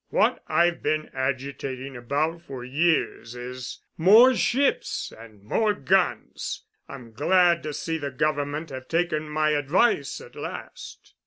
What I've been agitating about for years is more ships and more guns I'm glad to see the Government have taken my advice at last."